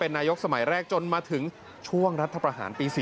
เป็นนายกสมัยแรกจนมาถึงช่วงรัฐทพรหารปี๔๙